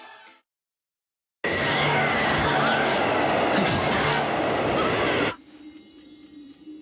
フッ！